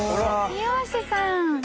美容師さん。